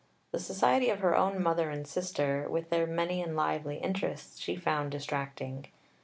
The society of her own mother and sister, with their many and lively interests, she found distracting.